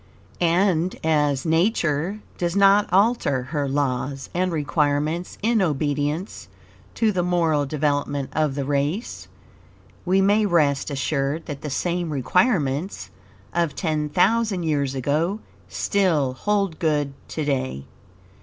And as Nature does not alter her laws and requirements in obedience to the moral development of the race, we may rest assured that the same requirements, of ten thousand years ago, still hold good to day.